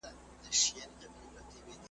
ښکاري هم کرار کرار ورغی پلی `